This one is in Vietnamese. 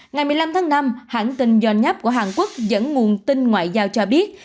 ngày một mươi năm tháng năm hãng tin yone của hàn quốc dẫn nguồn tin ngoại giao cho biết